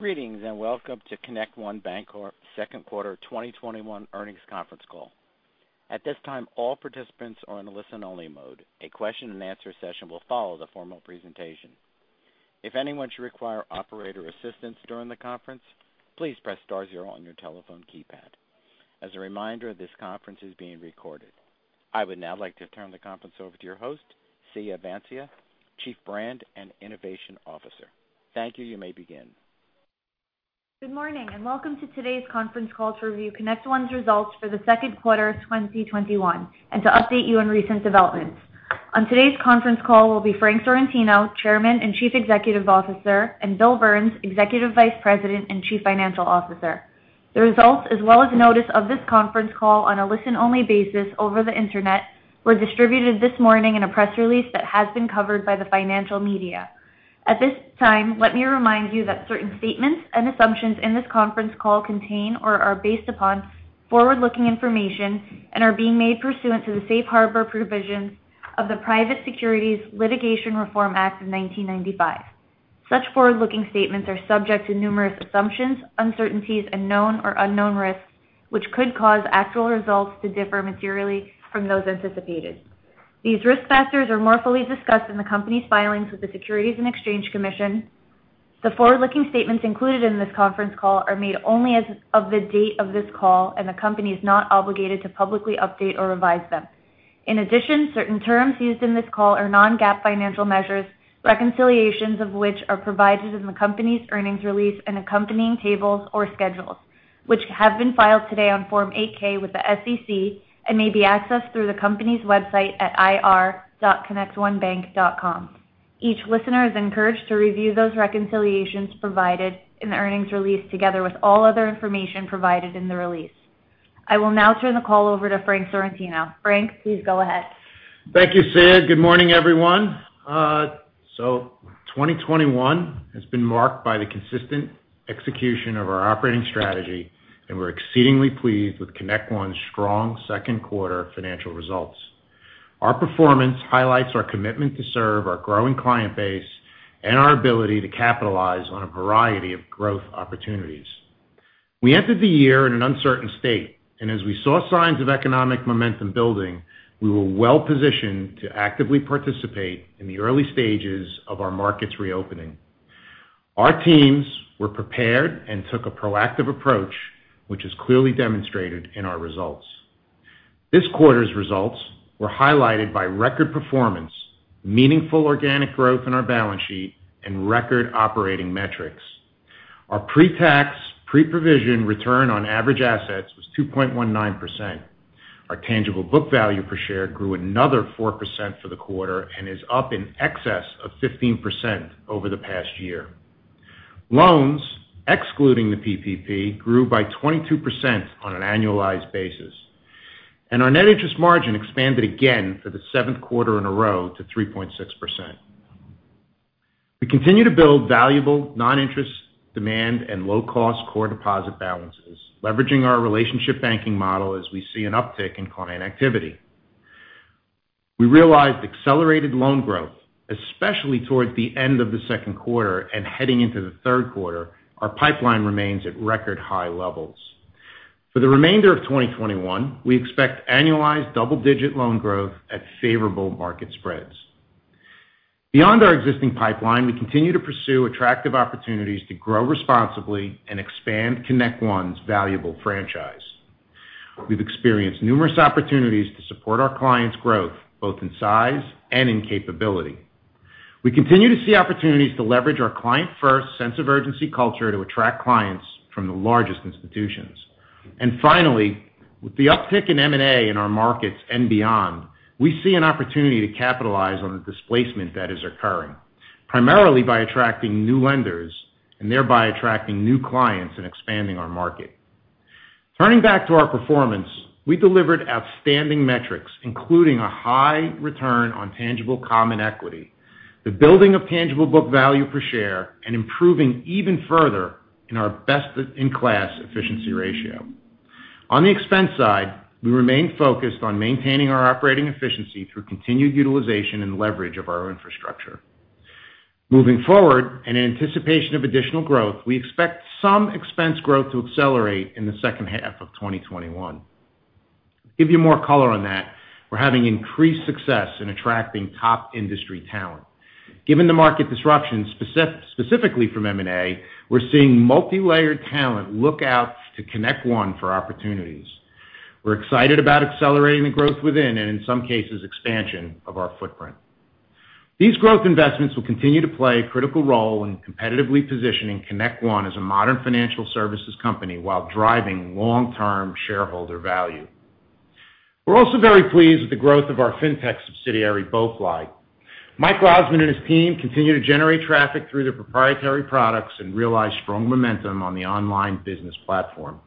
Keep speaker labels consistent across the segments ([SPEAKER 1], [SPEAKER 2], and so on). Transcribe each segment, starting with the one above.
[SPEAKER 1] I would now like to turn the conference over to your host, Siya Vansia, Chief Brand and Innovation Officer. Thank you. You may begin.
[SPEAKER 2] Good morning, welcome to today's conference call to review ConnectOne's results for the second quarter of 2021, and to update you on recent developments. On today's conference call will be Frank Sorrentino, Chairman and Chief Executive Officer, and Bill Burns, Executive Vice President and Chief Financial Officer. The results, as well as notice of this conference call on a listen-only basis over the internet, were distributed this morning in a press release that has been covered by the financial media. At this time, let me remind you that certain statements and assumptions in this conference call contain or are based upon forward-looking information and are being made pursuant to the safe harbor provisions of the Private Securities Litigation Reform Act of 1995. Such forward-looking statements are subject to numerous assumptions, uncertainties, and known or unknown risks, which could cause actual results to differ materially from those anticipated. These risk factors are more fully discussed in the company's filings with the Securities and Exchange Commission. The forward-looking statements included in this conference call are made only as of the date of this call, and the company is not obligated to publicly update or revise them. In addition, certain terms used in this call are non-GAAP financial measures, reconciliations of which are provided in the company's earnings release and accompanying tables or schedules, which have been filed today on Form 8-K with the SEC and may be accessed through the company's website at ir.connectonebank.com. Each listener is encouraged to review those reconciliations provided in the earnings release together with all other information provided in the release. I will now turn the call over to Frank Sorrentino. Frank, please go ahead.
[SPEAKER 3] Thank you, Siya. Good morning, everyone. 2021 has been marked by the consistent execution of our operating strategy, and we're exceedingly pleased with ConnectOne's strong second quarter financial results. Our performance highlights our commitment to serve our growing client base and our ability to capitalize on a variety of growth opportunities. We entered the year in an uncertain state, and as we saw signs of economic momentum building, we were well-positioned to actively participate in the early stages of our market's reopening. Our teams were prepared and took a proactive approach, which is clearly demonstrated in our results. This quarter's results were highlighted by record performance, meaningful organic growth in our balance sheet, and record operating metrics. Our pre-tax, pre-provision return on average assets was 2.19%. Our tangible book value per share grew another 4% for the quarter and is up in excess of 15% over the past year. Loans, excluding the PPP, grew by 22% on an annualized basis, and our net interest margin expanded again for the seventh quarter in a row to 3.6%. We continue to build valuable non-interest demand and low-cost core deposit balances, leveraging our relationship banking model as we see an uptick in client activity. We realized accelerated loan growth, especially towards the end of the second quarter and heading into the third quarter. Our pipeline remains at record high levels. For the remainder of 2021, we expect annualized double-digit loan growth at favorable market spreads. Beyond our existing pipeline, we continue to pursue attractive opportunities to grow responsibly and expand ConnectOne's valuable franchise. We've experienced numerous opportunities to support our clients' growth, both in size and in capability. We continue to see opportunities to leverage our client-first sense of urgency culture to attract clients from the largest institutions. Finally, with the uptick in M&A in our markets and beyond, we see an opportunity to capitalize on the displacement that is occurring, primarily by attracting new lenders and thereby attracting new clients and expanding our market. Turning back to our performance, we delivered outstanding metrics, including a high return on tangible common equity, the building of tangible book value per share, and improving even further in our best-in-class efficiency ratio. On the expense side, we remain focused on maintaining our operating efficiency through continued utilization and leverage of our infrastructure. Moving forward, in anticipation of additional growth, we expect some expense growth to accelerate in the second half of 2021. To give you more color on that, we're having increased success in attracting top industry talent. Given the market disruption specifically from M&A, we're seeing multilayered talent look out to ConnectOne for opportunities. We're excited about accelerating the growth within and, in some cases, expansion of our footprint. These growth investments will continue to play a critical role in competitively positioning ConnectOne as a modern financial services company while driving long-term shareholder value. We're also very pleased with the growth of our fintech subsidiary, BoeFly. Mike Osmun and his team continue to generate traffic through their proprietary products and realize strong momentum on the online business platform.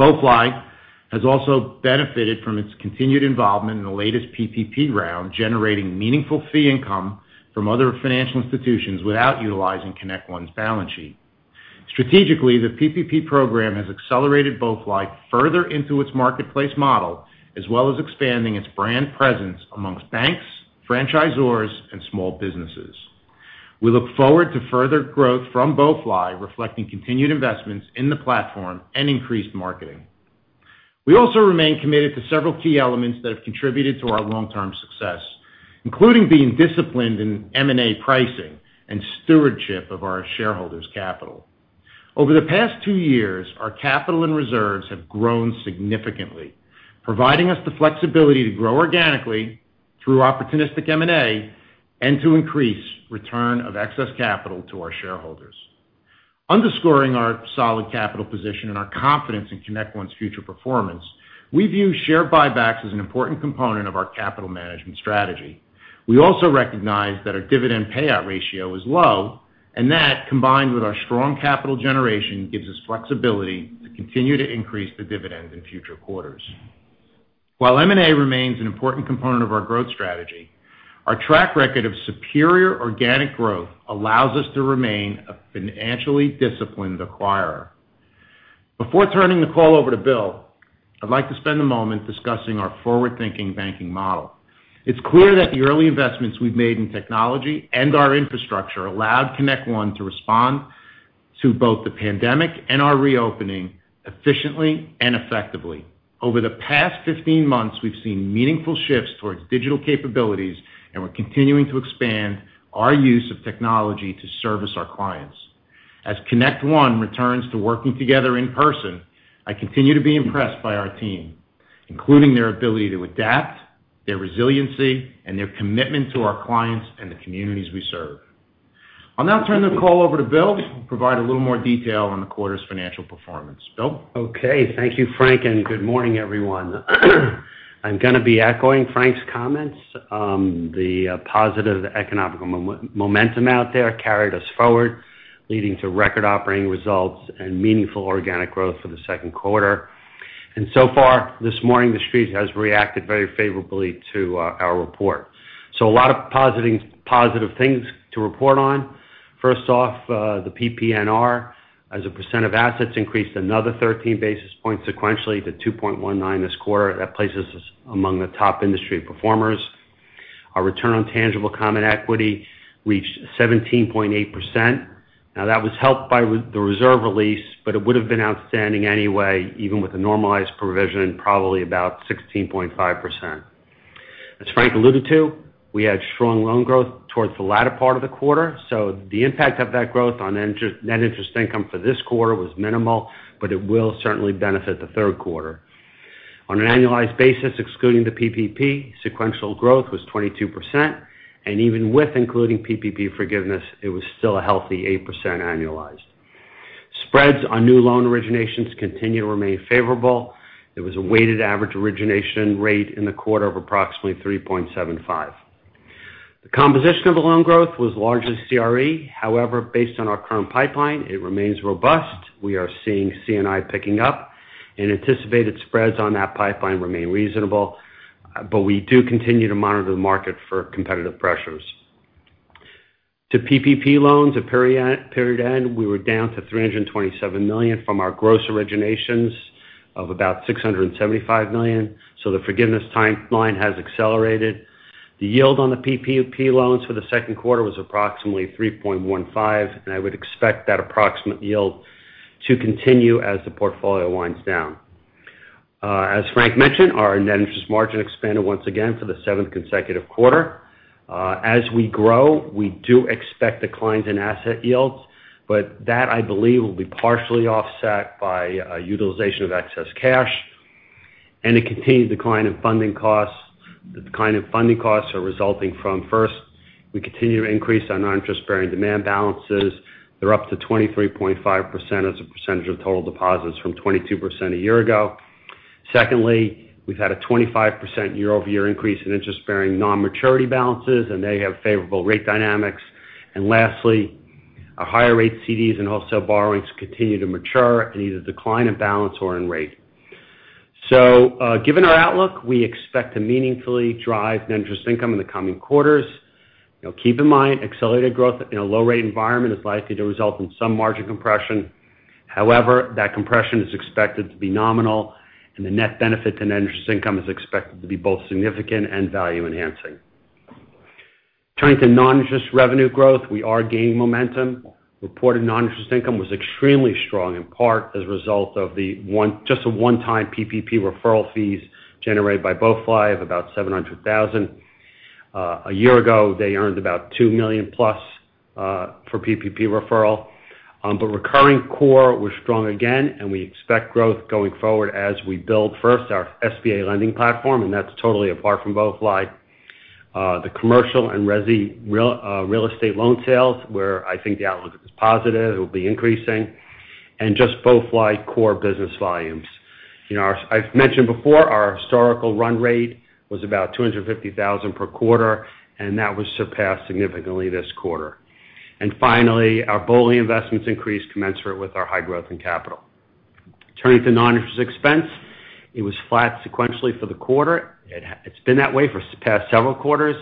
[SPEAKER 3] BoeFly has also benefited from its continued involvement in the latest PPP round, generating meaningful fee income from other financial institutions without utilizing ConnectOne's balance sheet. Strategically, the PPP program has accelerated BoeFly further into its marketplace model, as well as expanding its brand presence amongst banks, franchisors, and small businesses. We look forward to further growth from BoeFly, reflecting continued investments in the platform and increased marketing. We also remain committed to several key elements that have contributed to our long-term success, including being disciplined in M&A pricing and stewardship of our shareholders' capital. Over the past two years, our capital and reserves have grown significantly, providing us the flexibility to grow organically through opportunistic M&A and to increase return of excess capital to our shareholders. Underscoring our solid capital position and our confidence in ConnectOne's future performance, we view share buybacks as an important component of our capital management strategy. We also recognize that our dividend payout ratio is low, and that, combined with our strong capital generation, gives us flexibility to continue to increase the dividend in future quarters. While M&A remains an important component of our growth strategy, our track record of superior organic growth allows us to remain a financially disciplined acquirer. Before turning the call over to Bill, I'd like to spend a moment discussing our forward-thinking banking model. It's clear that the early investments we've made in technology and our infrastructure allowed ConnectOne to respond to both the pandemic and our reopening efficiently and effectively. Over the past 15 months, we've seen meaningful shifts towards digital capabilities, and we're continuing to expand our use of technology to service our clients. As ConnectOne returns to working together in person, I continue to be impressed by our team, including their ability to adapt, their resiliency, and their commitment to our clients and the communities we serve. I'll now turn the call over to Bill to provide a little more detail on the quarter's financial performance. Bill?
[SPEAKER 4] Okay. Thank you, Frank, good morning, everyone. I'm going to be echoing Frank's comments. The positive economic momentum out there carried us forward, leading to record operating results and meaningful organic growth for the second quarter. So far this morning, the Street has reacted very favorably to our report. A lot of positive things to report on. First off, the PPNR as a % of assets increased another 13 basis points sequentially to 2.19 this quarter. That places us among the top industry performers. Our return on tangible common equity reached 17.8%. Now, that was helped by the reserve release, but it would've been outstanding anyway, even with a normalized provision, probably about 16.5%. As Frank alluded to, we had strong loan growth towards the latter part of the quarter. The impact of that growth on net interest income for this quarter was minimal, but it will certainly benefit the third quarter. On an annualized basis, excluding the PPP, sequential growth was 22%, and even with including PPP forgiveness, it was still a healthy 8% annualized. Spreads on new loan originations continue to remain favorable. There was a weighted average origination rate in the quarter of approximately 3.75. The composition of the loan growth was largely CRE. However, based on our current pipeline, it remains robust. We are seeing C&I picking up and anticipated spreads on that pipeline remain reasonable, but we do continue to monitor the market for competitive pressures. To PPP loans at period end, we were down to $327 million from our gross originations of about $675 million, the forgiveness timeline has accelerated. The yield on the PPP loans for the second quarter was approximately 3.15. I would expect that approximate yield to continue as the portfolio winds down. As Frank mentioned, our net interest margin expanded once again for the seventh consecutive quarter. As we grow, we do expect declines in asset yields. That, I believe, will be partially offset by utilization of excess cash and a continued decline in funding costs. The decline in funding costs are resulting from first, we continue to increase our non-interest-bearing demand balances. They're up to 23.5% as a percentage of total deposits from 22% a year ago. Secondly, we've had a 25% year-over-year increase in interest-bearing non-maturity balances. They have favorable rate dynamics. Lastly, our higher rate CDs and wholesale borrowings continue to mature and either decline in balance or in rate. Given our outlook, we expect to meaningfully drive net interest income in the coming quarters. Keep in mind, accelerated growth in a low-rate environment is likely to result in some margin compression. However, that compression is expected to be nominal, and the net benefit to net interest income is expected to be both significant and value-enhancing. Turning to non-interest revenue growth, we are gaining momentum. Reported non-interest income was extremely strong, in part as a result of just the one-time PPP referral fees generated by BoeFly of about $700,000. A year ago, they earned about $2 million+ for PPP referral. Recurring core was strong again, and we expect growth going forward as we build first our SBA lending platform, and that's totally apart from BoeFly. The commercial and resi real estate loan sales, where I think the outlook is positive, it will be increasing. Just BoeFly core business volumes. I've mentioned before our historical run rate was about 250,000 per quarter, and that was surpassed significantly this quarter. Finally, our BOLI investments increased commensurate with our high growth in capital. Turning to non-interest expense, it was flat sequentially for the quarter. It's been that way for the past several quarters.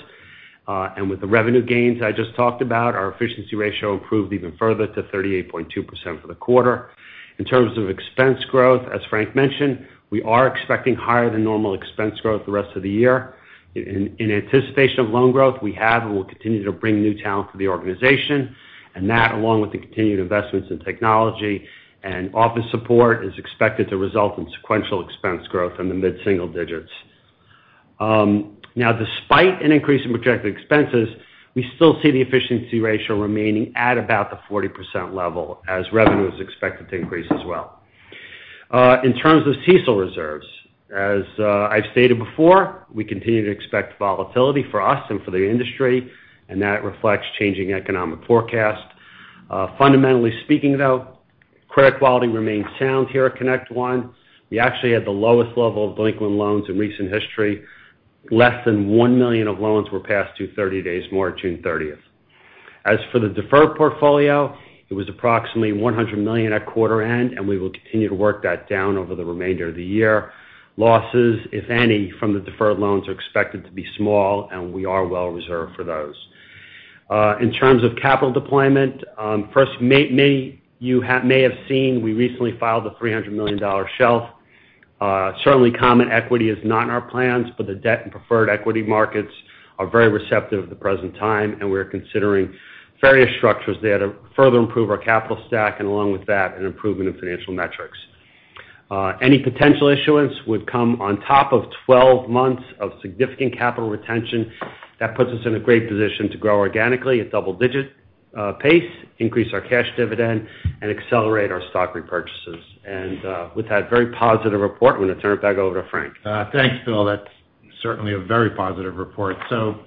[SPEAKER 4] With the revenue gains I just talked about, our efficiency ratio improved even further to 38.2% for the quarter. In terms of expense growth, as Frank mentioned, we are expecting higher than normal expense growth the rest of the year. In anticipation of loan growth, we have and will continue to bring new talent to the organization, and that, along with the continued investments in technology and office support, is expected to result in sequential expense growth in the mid-single digits. Despite an increase in projected expenses, we still see the efficiency ratio remaining at about the 40% level as revenue is expected to increase as well. In terms of CECL reserves, as I've stated before, we continue to expect volatility for us and for the industry, and that reflects changing economic forecast. Fundamentally speaking, though, credit quality remains sound here at ConnectOne. We actually had the lowest level of delinquent loans in recent history. Less than 1 million of loans were past due 30 days or more at June 30th. As for the deferred portfolio, it was approximately $100 million at quarter end, and we will continue to work that down over the remainder of the year. Losses, if any, from the deferred loans, are expected to be small, and we are well reserved for those. In terms of capital deployment, first, you may have seen we recently filed a $300 million shelf. Certainly, common equity is not in our plans, but the debt and preferred equity markets are very receptive at the present time, and we are considering various structures there to further improve our capital stack and along with that, an improvement of financial metrics. Any potential issuance would come on top of 12 months of significant capital retention. That puts us in a great position to grow organically at double-digit pace, increase our cash dividend, and accelerate our stock repurchases. With that very positive report, I'm going to turn it back over to Frank.
[SPEAKER 3] Thanks, Bill. That's certainly a very positive report.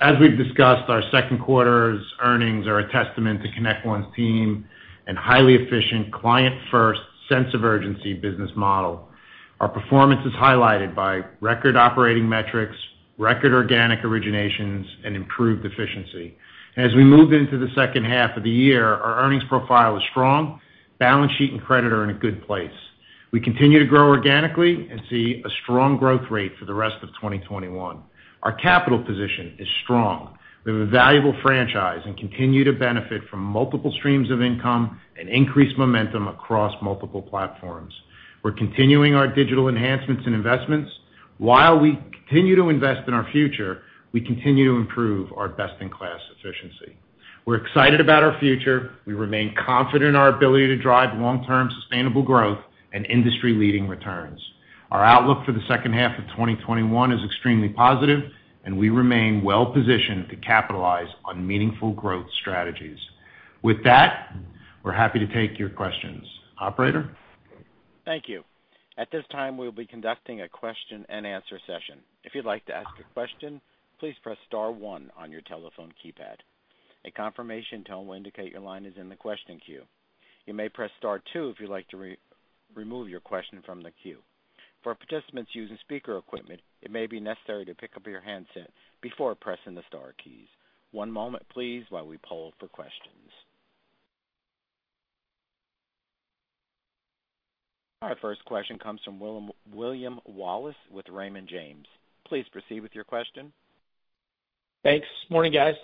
[SPEAKER 3] As we've discussed, our second quarter's earnings are a testament to ConnectOne's team and highly efficient client-first sense-of-urgency business model. Our performance is highlighted by record operating metrics, record organic originations, and improved efficiency. As we move into the second half of the year, our earnings profile is strong. Balance sheet and credit are in a good place. We continue to grow organically and see a strong growth rate for the rest of 2021. Our capital position is strong. We have a valuable franchise and continue to benefit from multiple streams of income and increased momentum across multiple platforms. We're continuing our digital enhancements and investments. While we continue to invest in our future, we continue to improve our best-in-class efficiency. We're excited about our future. We remain confident in our ability to drive long-term sustainable growth and industry-leading returns. Our outlook for the second half of 2021 is extremely positive, and we remain well-positioned to capitalize on meaningful growth strategies. With that, we're happy to take your questions. Operator?
[SPEAKER 1] Thank you. Our first question comes from William Wallace with Raymond James. Please proceed with your question.
[SPEAKER 5] Thanks. Morning, guys.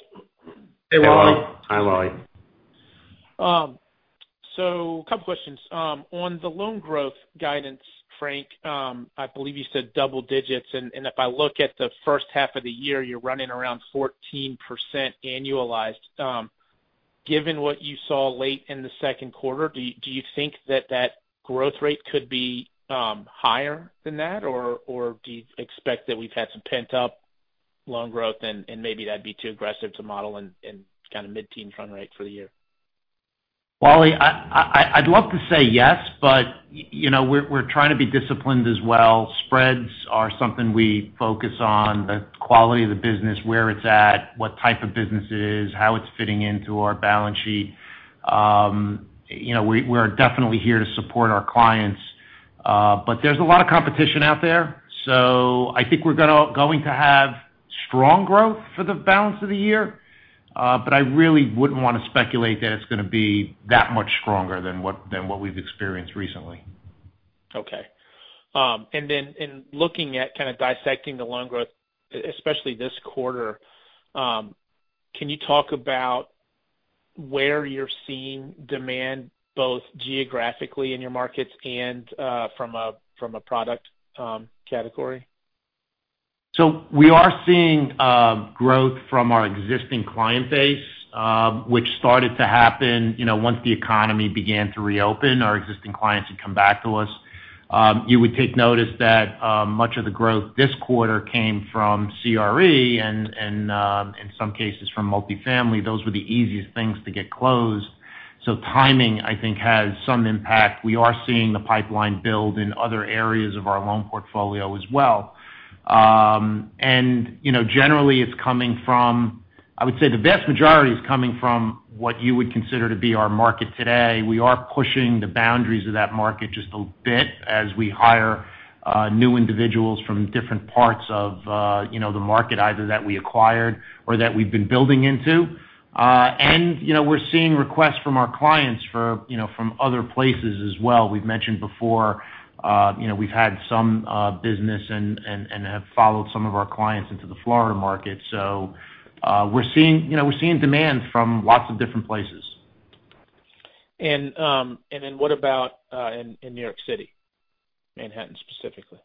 [SPEAKER 3] Hey, Wally.
[SPEAKER 4] Hi, Wally.
[SPEAKER 5] A couple of questions. On the loan growth guidance, Frank, I believe you said double digits. If I look at the first half of the year, you're running around 14% annualized. Given what you saw late in the second quarter, do you think that that growth rate could be higher than that? Do you expect that we've had some pent-up loan growth and maybe that'd be too aggressive to model in kind of mid-teen run rate for the year?
[SPEAKER 3] Wally, I'd love to say yes, but we're trying to be disciplined as well. Spreads are something we focus on, the quality of the business, where it's at, what type of business it is, how it's fitting into our balance sheet. We're definitely here to support our clients. There's a lot of competition out there, so I think we're going to have strong growth for the balance of the year. I really wouldn't want to speculate that it's going to be that much stronger than what we've experienced recently.
[SPEAKER 5] Okay. In looking at kind of dissecting the loan growth, especially this quarter, can you talk about where you're seeing demand, both geographically in your markets and from a product category?
[SPEAKER 3] We are seeing growth from our existing client base, which started to happen once the economy began to reopen. Our existing clients had come back to us. You would take notice that much of the growth this quarter came from CRE and in some cases from multifamily. Those were the easiest things to get closed. Timing, I think, has some impact. We are seeing the pipeline build in other areas of our loan portfolio as well. Generally, it's coming from I would say the vast majority is coming from what you would consider to be our market today. We are pushing the boundaries of that market just a bit as we hire new individuals from different parts of the market, either that we acquired or that we've been building into. We're seeing requests from our clients from other places as well. We've mentioned before we've had some business and have followed some of our clients into the Florida market. We're seeing demand from lots of different places.
[SPEAKER 5] What about in New York City, Manhattan specifically?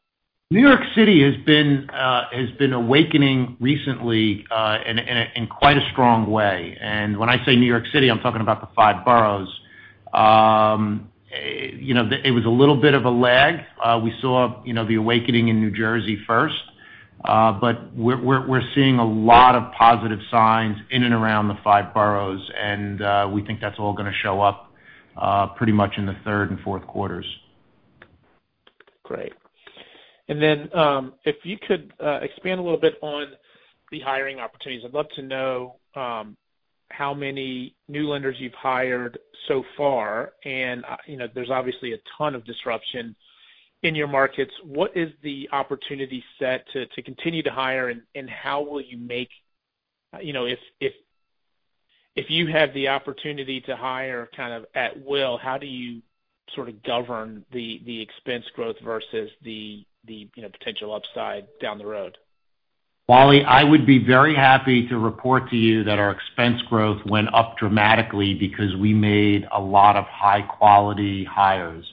[SPEAKER 3] New York City has been awakening recently in quite a strong way. When I say New York City, I'm talking about the five boroughs. It was a little bit of a lag. We saw the awakening in New Jersey first. We're seeing a lot of positive signs in and around the five boroughs, and we think that's all going to show up pretty much in the third and fourth quarters.
[SPEAKER 5] Great. If you could expand a little bit on the hiring opportunities. I'd love to know how many new lenders you've hired so far. There's obviously a ton of disruption in your markets. What is the opportunity set to continue to hire, and if you have the opportunity to hire kind of at will, how do you sort of govern the expense growth versus the potential upside down the road?
[SPEAKER 3] Wally, I would be very happy to report to you that our expense growth went up dramatically because we made a lot of high-quality hires.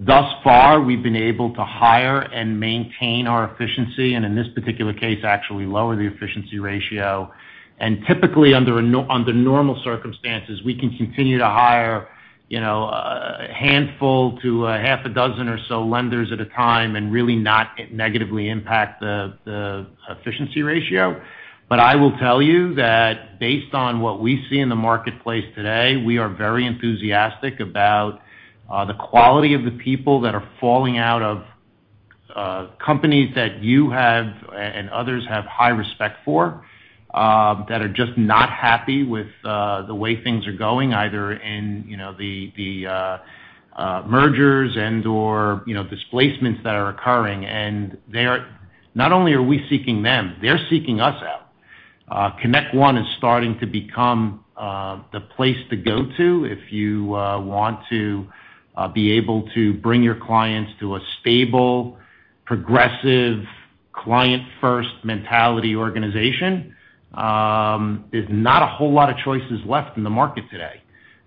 [SPEAKER 3] Thus far, we've been able to hire and maintain our efficiency, and in this particular case, actually lower the efficiency ratio. Typically under normal circumstances, we can continue to hire a handful to a half a dozen or so lenders at a time and really not negatively impact the efficiency ratio. I will tell you that based on what we see in the marketplace today, we are very enthusiastic about the quality of the people that are falling out of companies that you have and others have high respect for, that are just not happy with the way things are going, either in the mergers and/or displacements that are occurring. Not only are we seeking them, they're seeking us out. ConnectOne is starting to become the place to go to if you want to be able to bring your clients to a stable, progressive, client-first mentality organization. There's not a whole lot of choices left in the market today.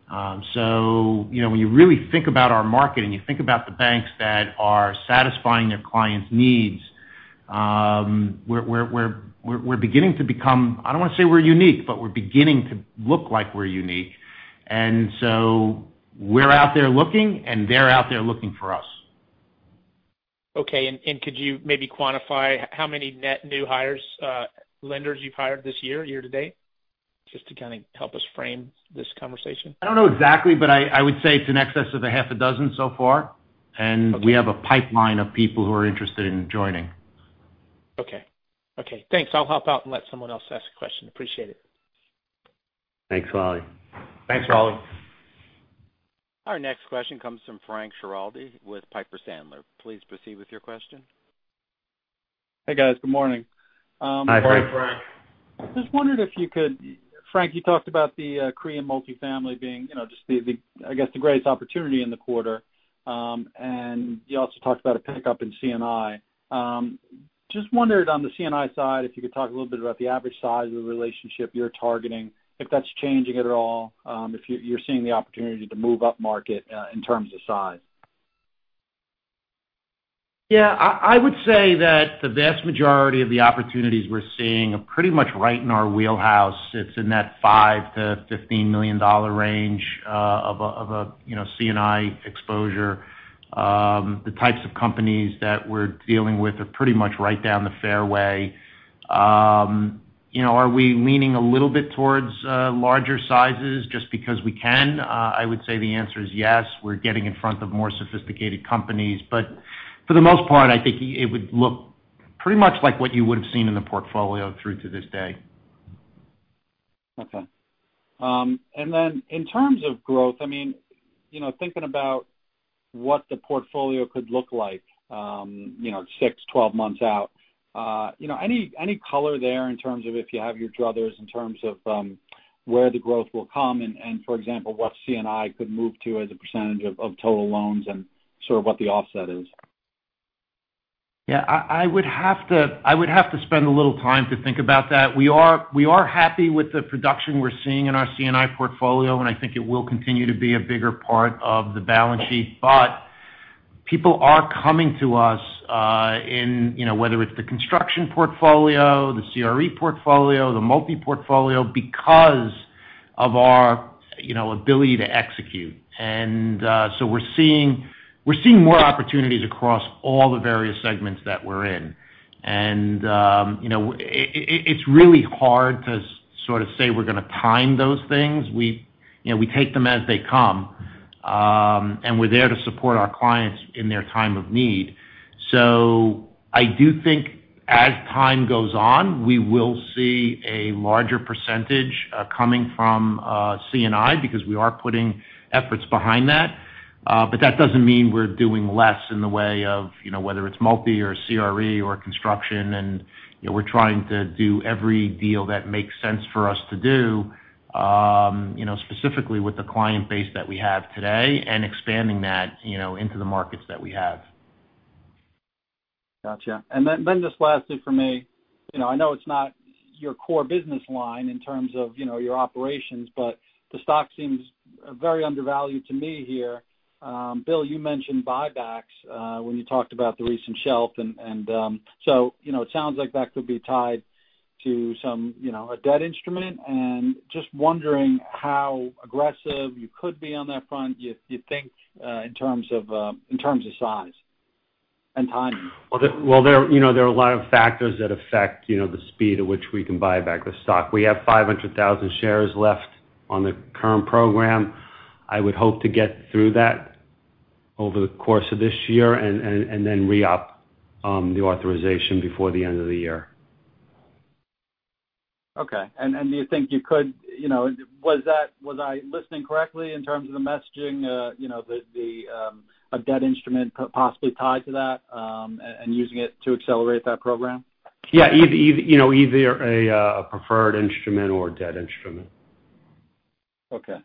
[SPEAKER 3] When you really think about our market and you think about the banks that are satisfying their clients' needs, we're beginning to become, I don't want to say we're unique, but we're beginning to look like we're unique. We're out there looking, and they're out there looking for us.
[SPEAKER 5] Okay. Could you maybe quantify how many net new hires, lenders you've hired this year to date? Just to kind of help us frame this conversation.
[SPEAKER 3] I don't know exactly, but I would say it's in excess of a half a dozen so far.
[SPEAKER 5] Okay.
[SPEAKER 3] We have a pipeline of people who are interested in joining.
[SPEAKER 5] Okay. Thanks. I'll hop out and let someone else ask a question. Appreciate it.
[SPEAKER 4] Thanks, Wally.
[SPEAKER 3] Thanks, Wally.
[SPEAKER 1] Our next question comes from Frank Schiraldi with Piper Sandler. Please proceed with your question.
[SPEAKER 6] Hey, guys. Good morning.
[SPEAKER 3] Hi, Frank.
[SPEAKER 6] Just wondered, Frank, you talked about the CRE and multifamily being just the, I guess, the greatest opportunity in the quarter. You also talked about a pickup in C&I. Just wondered on the C&I side, if you could talk a little bit about the average size of the relationship you're targeting, if that's changing at all, if you're seeing the opportunity to move up market in terms of size?
[SPEAKER 3] Yeah, I would say that the vast majority of the opportunities we're seeing are pretty much right in our wheelhouse. It's in that $5 million-$15 million range of a C&I exposure. The types of companies that we're dealing with are pretty much right down the fairway. Are we leaning a little bit towards larger sizes just because we can? I would say the answer is yes. We're getting in front of more sophisticated companies. For the most part, I think it would look pretty much like what you would've seen in the portfolio through to this day.
[SPEAKER 6] Okay. In terms of growth, thinking about what the portfolio could look like six, 12 months out. Any color there in terms of if you have your druthers in terms of where the growth will come, and for example, what C&I could move to as a percentage of total loans and sort of what the offset is?
[SPEAKER 3] Yeah. I would have to spend a little time to think about that. We are happy with the production we're seeing in our C&I portfolio. I think it will continue to be a bigger part of the balance sheet. People are coming to us, whether it's the construction portfolio, the CRE portfolio, the multi portfolio, because of our ability to execute. We're seeing more opportunities across all the various segments that we're in. It's really hard to sort of say we're going to time those things. We take them as they come. We're there to support our clients in their time of need. I do think as time goes on, we will see a larger percentage coming from C&I because we are putting efforts behind that. That doesn't mean we're doing less in the way of whether it's multi or CRE or construction, and we're trying to do every deal that makes sense for us to do specifically with the client base that we have today and expanding that into the markets that we have.
[SPEAKER 6] Got you. Just lastly from me, I know it's not your core business line in terms of your operations, but the stock seems very undervalued to me here. Bill, you mentioned buybacks when you talked about the recent shelf, and so it sounds like that could be tied to a debt instrument. Just wondering how aggressive you could be on that front, you think, in terms of size and timing.
[SPEAKER 4] Well, there are a lot of factors that affect the speed at which we can buy back the stock. We have 500,000 shares left on the current program. I would hope to get through that over the course of this year and then re-up the authorization before the end of the year.
[SPEAKER 6] Okay. Was I listening correctly in terms of the messaging, a debt instrument possibly tied to that and using it to accelerate that program?
[SPEAKER 4] Yeah. Either a preferred instrument or a debt instrument.
[SPEAKER 6] Okay.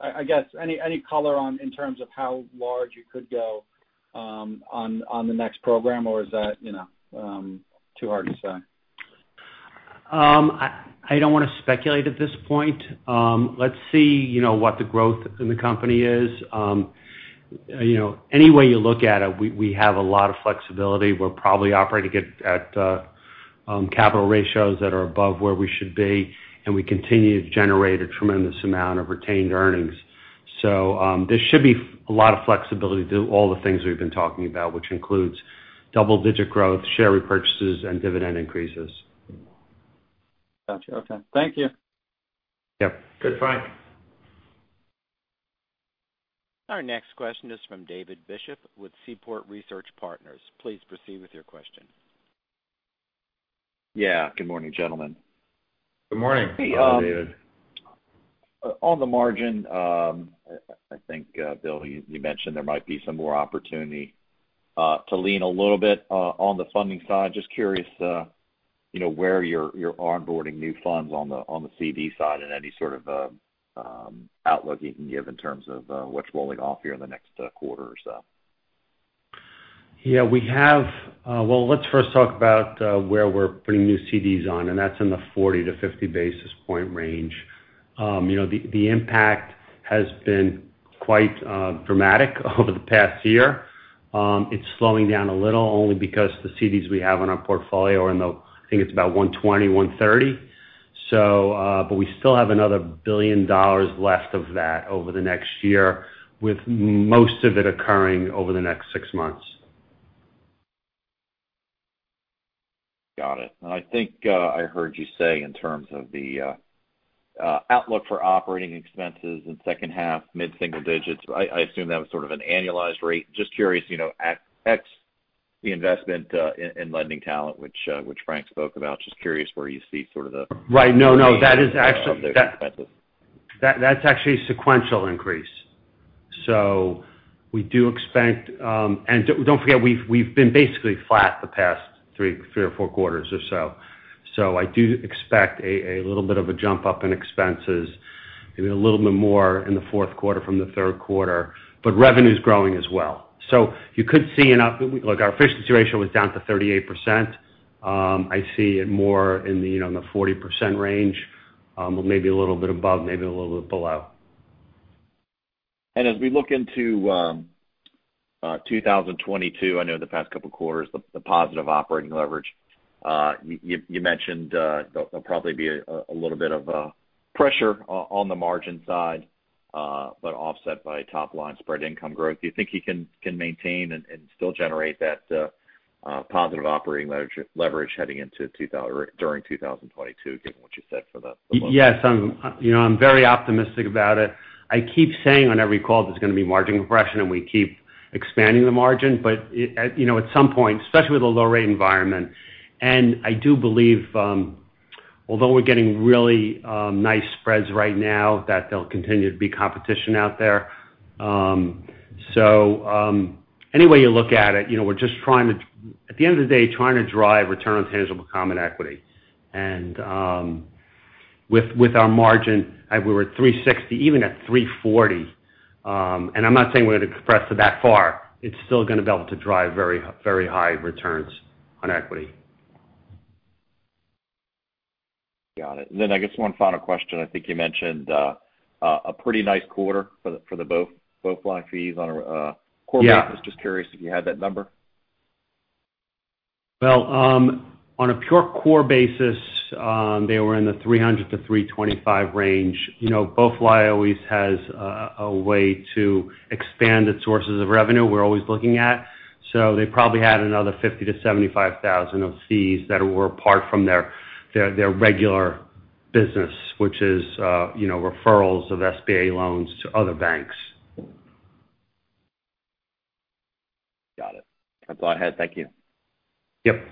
[SPEAKER 6] I guess any color in terms of how large you could go on the next program, or is that too hard to say?
[SPEAKER 4] I don't want to speculate at this point. Let's see what the growth in the company is. Any way you look at it, we have a lot of flexibility. We're probably operating at capital ratios that are above where we should be, and we continue to generate a tremendous amount of retained earnings. There should be a lot of flexibility to do all the things we've been talking about, which includes double-digit growth, share repurchases, and dividend increases.
[SPEAKER 6] Got you. Okay. Thank you.
[SPEAKER 4] Yep.
[SPEAKER 3] Good. Frank
[SPEAKER 1] Our next question is from David Bishop with Seaport Research Partners. Please proceed with your question.
[SPEAKER 7] Yeah. Good morning, gentlemen.
[SPEAKER 4] Good morning.
[SPEAKER 3] Hello, David. On the margin, I think, Bill, you mentioned there might be some more opportunity to lean a little bit on the funding side. Just curious where you're onboarding new funds on the CD side and any sort of outlook you can give in terms of what's rolling off here in the next quarter or so.
[SPEAKER 4] Yeah. Well, let's first talk about where we're putting new CDs on, and that's in the 40 to 50 basis point range. The impact has been quite dramatic over the past year. It's slowing down a little only because the CDs we have on our portfolio are in the, I think it's about 120, 130. We still have another $1 billion left of that over the next year, with most of it occurring over the next six months.
[SPEAKER 7] Got it. I think I heard you say in terms of the outlook for operating expenses in second half mid-single digits, but I assume that was sort of an annualized rate. Just curious, X the investment in lending talent, which Frank spoke about. Just curious where you see sort of the.
[SPEAKER 4] Right. No.
[SPEAKER 7] expenses.
[SPEAKER 4] That's actually a sequential increase. Don't forget, we've been basically flat the past three or four quarters or so. I do expect a little bit of a jump up in expenses, maybe a little bit more in the fourth quarter from the third quarter. Revenue's growing as well. Look, our efficiency ratio was down to 38%. I see it more in the 40% range, maybe a little bit above, maybe a little bit below.
[SPEAKER 7] As we look into 2022, I know the past couple of quarters, the positive operating leverage, you mentioned there'll probably be a little bit of pressure on the margin side, but offset by top-line spread income growth. Do you think you can maintain and still generate that positive operating leverage heading during 2022, given what you said for the full year?
[SPEAKER 4] Yes. I'm very optimistic about it. I keep saying on every call there's going to be margin compression, and we keep expanding the margin. At some point, especially with a low rate environment, and I do believe, although we're getting really nice spreads right now, that there'll continue to be competition out there. Any way you look at it, at the end of the day, trying to drive return on tangible common equity. With our margin, we're at 360, even at 340. I'm not saying we're going to compress it that far. It's still going to be able to drive very high returns on equity.
[SPEAKER 7] Got it. I guess one final question. I think you mentioned a pretty nice quarter for the BoeFly fees on a core basis.
[SPEAKER 4] Yeah.
[SPEAKER 7] Just curious if you had that number.
[SPEAKER 4] Well, on a pure core basis, they were in the 300-325 range. BoeFly always has a way to expand its sources of revenue. They probably had another $50,000-$75,000 of fees that were apart from their regular business, which is referrals of SBA loans to other banks.
[SPEAKER 7] Got it. That's all I had. Thank you.
[SPEAKER 3] Yep.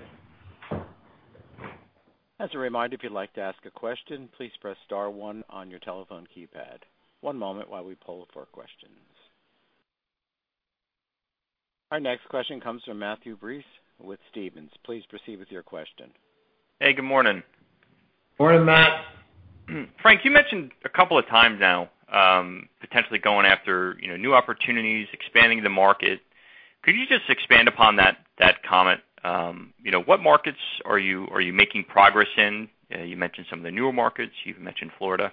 [SPEAKER 1] As a reminder, if you'd like to ask a question, please press star one on your telephone keypad. One moment while we poll for questions. Our next question comes from Matthew Breese with Stephens. Please proceed with your question.
[SPEAKER 8] Hey, good morning.
[SPEAKER 3] Morning, Matt.
[SPEAKER 8] Frank, you mentioned a couple of times now, potentially going after new opportunities, expanding the market. Could you just expand upon that comment? What markets are you making progress in? You mentioned some of the newer markets. You've mentioned Florida.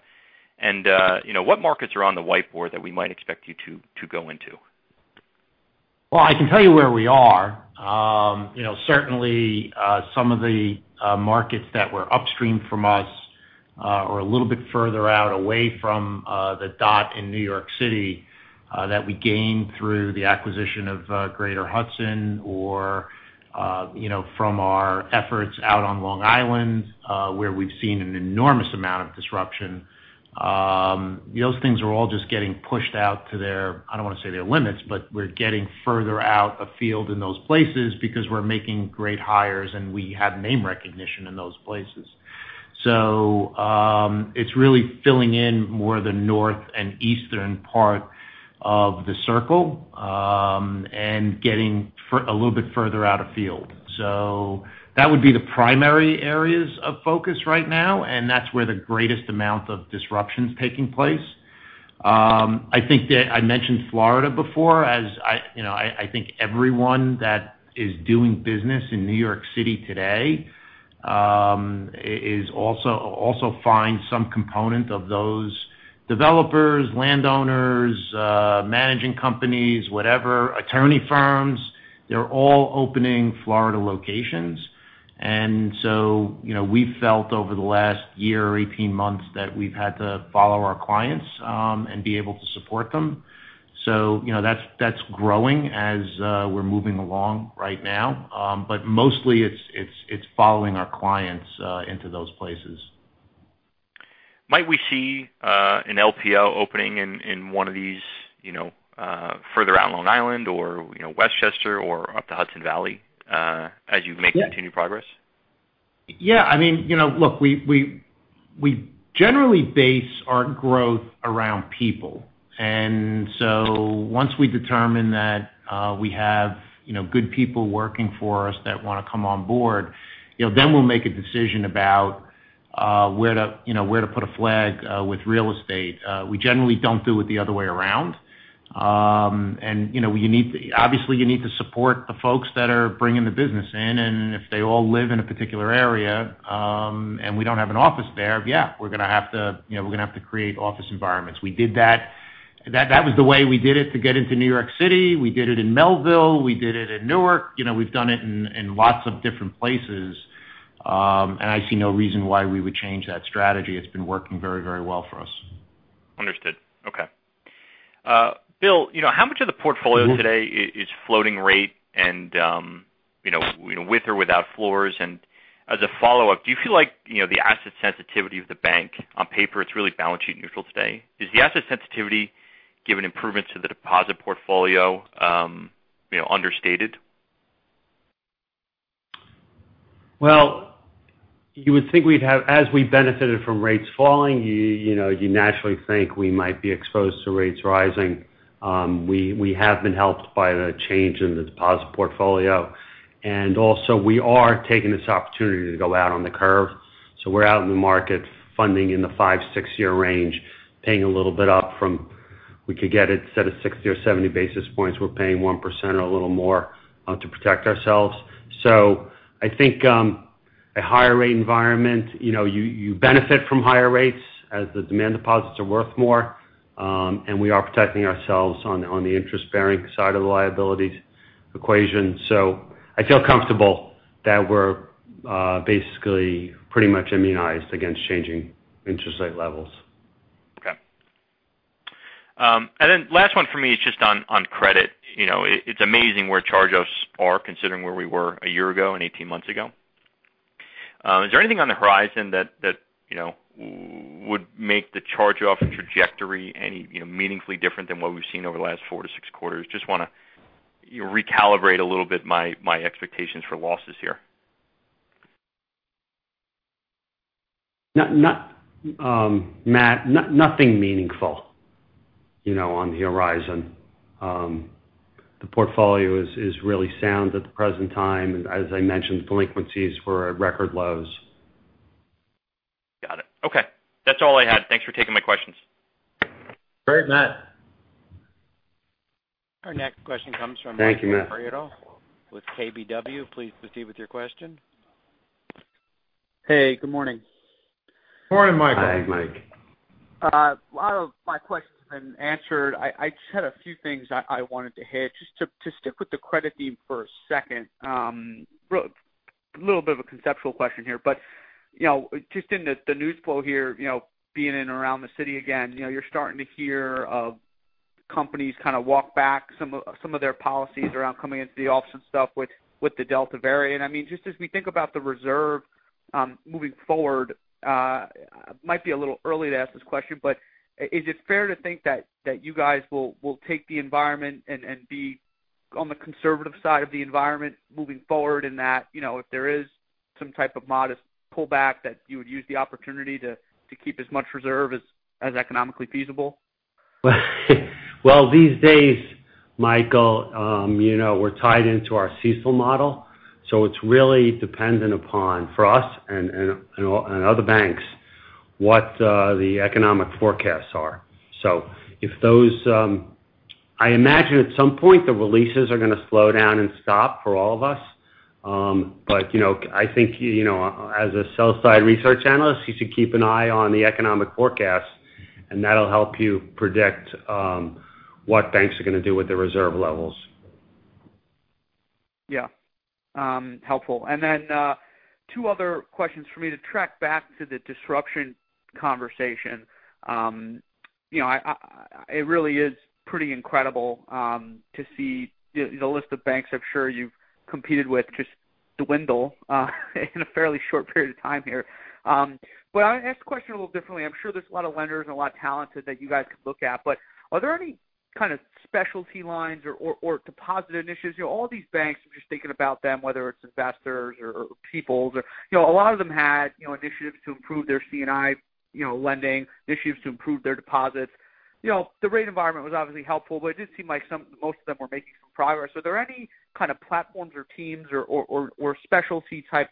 [SPEAKER 8] What markets are on the whiteboard that we might expect you to go into?
[SPEAKER 3] Well, I can tell you where we are. Certainly, some of the markets that were upstream from us are a little bit further out away from the dot in New York City that we gained through the acquisition of Greater Hudson or from our efforts out on Long Island, where we've seen an enormous amount of disruption. Those things are all just getting pushed out to their, I don't want to say their limits, but we're getting further out of field in those places because we're making great hires, and we have name recognition in those places. It's really filling in more of the north and eastern part of the circle, and getting a little bit further out of field. That would be the primary areas of focus right now, and that's where the greatest amount of disruption's taking place. I think that I mentioned Florida before. I think everyone that is doing business in New York City today also finds some component of those developers, landowners, managing companies, whatever, attorney firms. We've felt over the last year or 18 months that we've had to follow our clients and be able to support them. That's growing as we're moving along right now. Mostly it's following our clients into those places.
[SPEAKER 8] Might we see an LPO opening in one of these further out Long Island or Westchester or up the Hudson Valley as you make continued progress?
[SPEAKER 3] Yeah. Look, we generally base our growth around people. Once we determine that we have good people working for us that want to come on board, then we'll make a decision about where to put a flag with real estate. We generally don't do it the other way around. Obviously, you need to support the folks that are bringing the business in, and if they all live in a particular area, and we don't have an office there, yeah, we're going to have to create office environments. That was the way we did it to get into New York City. We did it in Melville. We did it in Newark. We've done it in lots of different places. I see no reason why we would change that strategy. It's been working very well for us.
[SPEAKER 8] Understood. Okay. Bill, how much of the portfolio today is floating rate and with or without floors? As a follow-up, do you feel like the asset sensitivity of the bank on paper, it's really balance sheet neutral today? Is the asset sensitivity given improvements to the deposit portfolio understated?
[SPEAKER 4] Well, you would think as we benefited from rates falling, you naturally think we might be exposed to rates rising. We have been helped by the change in the deposit portfolio. Also we are taking this opportunity to go out on the curve. We're out in the market funding in the five, six-year range, paying a little bit up from we could get it instead of 60 or 70 basis points, we're paying 1% or a little more to protect ourselves. I think a higher rate environment, you benefit from higher rates as the demand deposits are worth more. We are protecting ourselves on the interest-bearing side of the liabilities equation. I feel comfortable that we're basically pretty much immunized against changing interest rate levels.
[SPEAKER 8] Last one for me is just on credit. It's amazing where charge-offs are considering where we were one year ago and 18 months ago. Is there anything on the horizon that would make the charge-off trajectory any meaningfully different than what we've seen over the last 4-6 quarters? Just want to recalibrate a little bit my expectations for losses here.
[SPEAKER 4] Matt, nothing meaningful on the horizon. The portfolio is really sound at the present time. As I mentioned, delinquencies were at record lows.
[SPEAKER 8] Got it. Okay. That's all I had. Thanks for taking my questions.
[SPEAKER 3] Great, Matt.
[SPEAKER 1] Our next question comes from-
[SPEAKER 3] Thank you, Matt.
[SPEAKER 1] Mike Mariotte with KBW. Please proceed with your question.
[SPEAKER 9] Hey, good morning.
[SPEAKER 3] Morning, Mike.
[SPEAKER 4] Hi, Mike.
[SPEAKER 9] A lot of my question's been answered. I just had a few things I wanted to hit. Just to stick with the credit theme for a second. A little bit of a conceptual question here, just in the news flow here, being in and around the city again, you're starting to hear of companies kind of walk back some of their policies around coming into the office and stuff with the Delta variant. Just as we think about the reserve, moving forward, might be a little early to ask this question, is it fair to think that you guys will take the environment and be on the conservative side of the environment moving forward in that if there is some type of modest pullback, that you would use the opportunity to keep as much reserve as economically feasible?
[SPEAKER 4] Well, these days, Mike, we're tied into our CECL model, so it's really dependent upon, for us and other banks, what the economic forecasts are. I imagine at some point the releases are going to slow down and stop for all of us. I think as a sell side research analyst, you should keep an eye on the economic forecasts, and that'll help you predict what banks are going to do with their reserve levels.
[SPEAKER 9] Yeah. Helpful. Two other questions for me to track back to the disruption conversation. It really is pretty incredible to see the list of banks I'm sure you've competed with just dwindle in a fairly short period of time here. I'm going to ask the question a little differently. I'm sure there's a lot of lenders and a lot of talented that you guys could look at, but are there any kind of specialty lines or deposit initiatives? All these banks, I'm just thinking about them, whether it's Investors or People's, a lot of them had initiatives to improve their C&I lending, initiatives to improve their deposits. The rate environment was obviously helpful, but it did seem like most of them were making some progress. Are there any kind of platforms or teams or specialty-type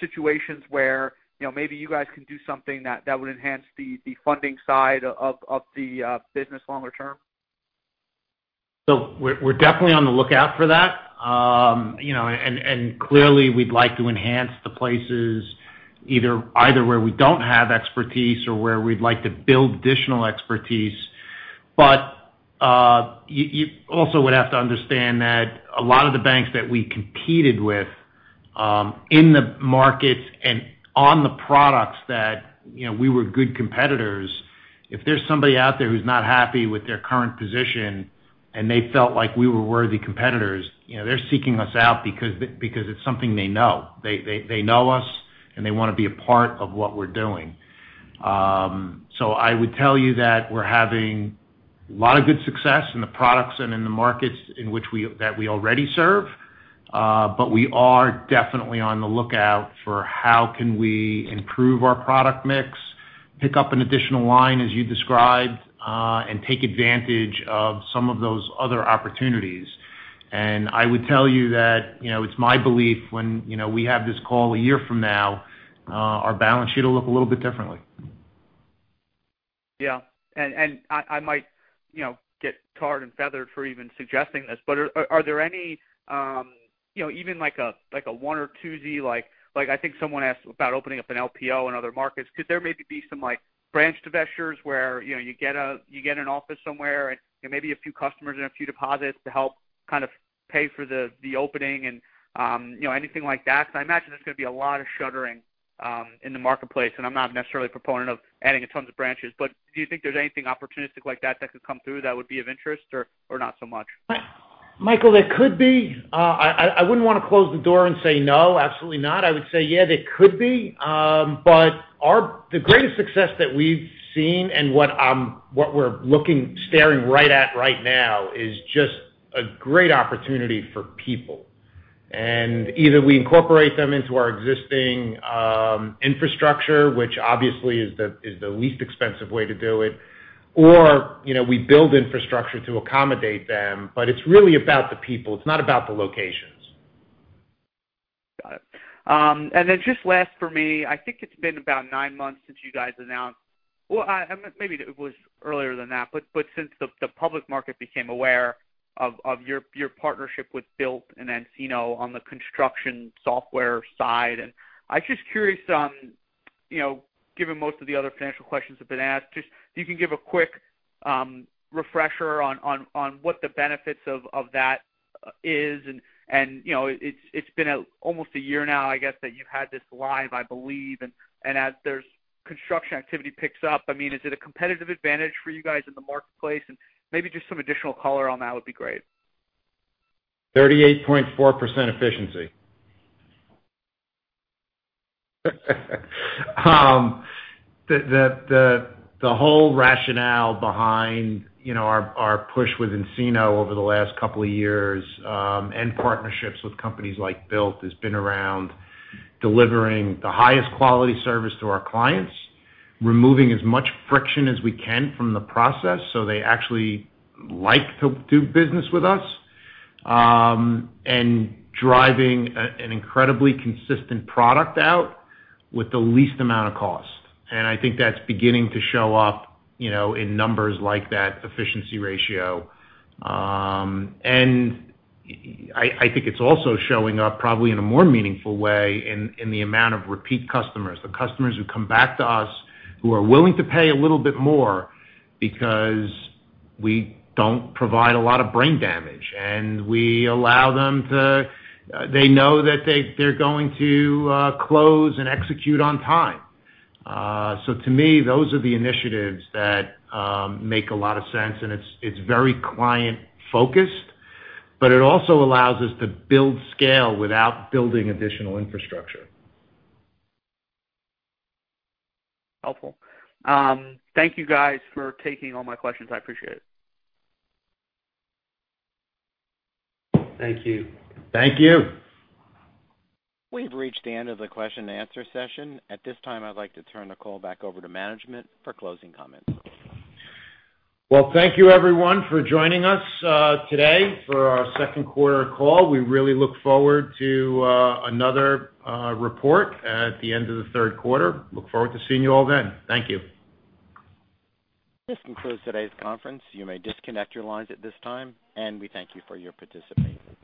[SPEAKER 9] situations where maybe you guys can do something that would enhance the funding side of the business longer term?
[SPEAKER 3] We're definitely on the lookout for that. Clearly we'd like to enhance the places either where we don't have expertise or where we'd like to build additional expertise. You also would have to understand that a lot of the banks that we competed with in the markets and on the products that we were good competitors, if there's somebody out there who's not happy with their current position and they felt like we were worthy competitors, they're seeking us out because it's something they know. They know us, and they want to be a part of what we're doing. I would tell you that we're having a lot of good success in the products and in the markets that we already serve. We are definitely on the lookout for how can we improve our product mix, pick up an additional line as you described, and take advantage of some of those other opportunities. I would tell you that it's my belief when we have this call a year from now, our balance sheet will look a little bit differently.
[SPEAKER 9] Yeah. I might get tarred and feathered for even suggesting this, but are there any even like a one or 2Z, like I think someone asked about opening up an LPO in other markets. Could there maybe be some branch divestitures where you get an office somewhere and maybe a few customers and a few deposits to help kind of pay for the opening and anything like that? I imagine there's going to be a lot of shuttering in the marketplace, and I'm not necessarily a proponent of adding a ton of branches, but do you think there's anything opportunistic like that that could come through that would be of interest, or not so much?
[SPEAKER 3] Mike, there could be. I wouldn't want to close the door and say no, absolutely not. I would say, yeah, there could be. The greatest success that we've seen and what we're staring right at right now is just a great opportunity for people. Either we incorporate them into our existing infrastructure, which obviously is the least expensive way to do it, or we build infrastructure to accommodate them. It's really about the people. It's not about the locations.
[SPEAKER 9] Got it. Then just last for me, I think it's been about nine months since you guys announced, well, maybe it was earlier than that, but since the public market became aware of your partnership with Built and nCino on the construction software side. I was just curious on, given most of the other financial questions have been asked, just if you can give a quick refresher on what the benefits of that is. It's been almost one year now, I guess, that you've had this live, I believe. As construction activity picks up, is it a competitive advantage for you guys in the marketplace? Maybe just some additional color on that would be great.
[SPEAKER 4] 38.4% efficiency. The whole rationale behind our push with nCino over the last two years, and partnerships with companies like Built, has been around delivering the highest quality service to our clients, removing as much friction as we can from the process so they actually like to do business with us, and driving an incredibly consistent product out with the least amount of cost. I think that's beginning to show up in numbers like that efficiency ratio. I think it's also showing up probably in a more meaningful way in the amount of repeat customers, the customers who come back to us who are willing to pay a little bit more because we don't provide a lot of brain damage, and they know that they're going to close and execute on time. To me, those are the initiatives that make a lot of sense, and it's very client-focused, but it also allows us to build scale without building additional infrastructure.
[SPEAKER 9] Helpful. Thank you guys for taking all my questions. I appreciate it.
[SPEAKER 3] Thank you.
[SPEAKER 4] Thank you.
[SPEAKER 1] We've reached the end of the question and answer session. At this time, I'd like to turn the call back over to management for closing comments.
[SPEAKER 3] Well, thank you everyone for joining us today for our second quarter call. We really look forward to another report at the end of the third quarter. Look forward to seeing you all then. Thank you.
[SPEAKER 1] This concludes today's conference. You may disconnect your lines at this time, and we thank you for your participation.